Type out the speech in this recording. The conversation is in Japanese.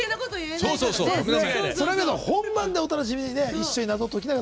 本番でお楽しみに一緒に謎を解きながら。